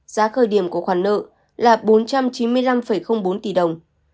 giá khởi điểm của khoản nợ là bốn trăm chín mươi năm bốn tỷ đồng